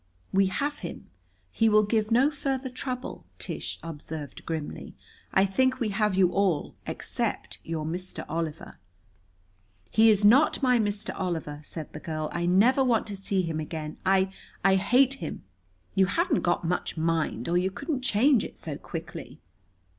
"We have him. He will give no further trouble," Tish observed grimly. "I think we have you all, except your Mr. Oliver." "He is not my Mr. Oliver," said the girl. "I never want to see him again. I I hate him." "You haven't got much mind or you couldn't change it so quickly."